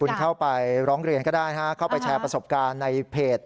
คุณเข้าไปร้องเรียนก็ได้นะฮะเข้าไปแชร์ประสบการณ์ในเพจ